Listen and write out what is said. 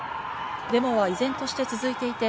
デモは依然として続いていて、